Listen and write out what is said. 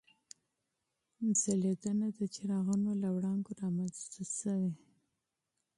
ځلېدنه د څراغونو له وړانګو رامنځته شوې.